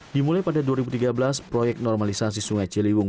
dimulai pada dua ribu tiga belas proyek normalisasi sungai ciliwung